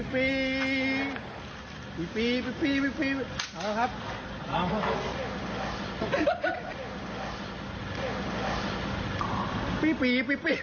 ปีปีปี